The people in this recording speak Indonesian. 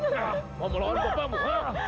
mau melawan bapamu